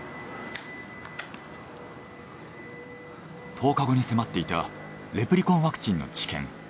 １０日後に迫っていたレプリコンワクチンの治験。